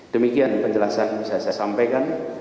demikian penjelasan bisa saya sampaikan